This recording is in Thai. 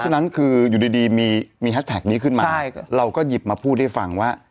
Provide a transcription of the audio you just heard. ฉะนั้นคืออยู่ดีมีแฮชแท็กนี้ขึ้นมาเราก็หยิบมาพูดให้ฟังว่า